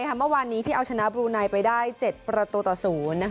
เมื่อวานนี้ที่เอาชนะบลูไนไปได้๗ประตูต่อ๐